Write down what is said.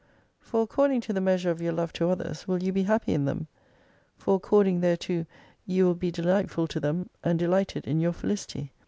For according to the measure of your love to others will you be happy in them. For according thereto you will be delightful to them, and delighted in your felicity.